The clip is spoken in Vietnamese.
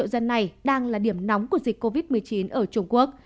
một mươi ba triệu dân này đang là điểm nóng của dịch covid một mươi chín ở trung quốc